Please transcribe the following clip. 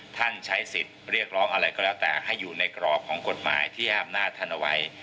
ใช้สิทธิ์เรียกร้องอะไรก็แล้วแต่ให้อยู่ในกรอบของกฎหมายที่ให้อำนาจท่านเอาไว้